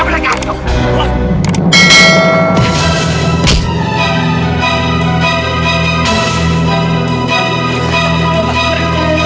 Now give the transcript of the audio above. baju ketembak sar